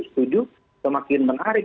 setuju semakin menarik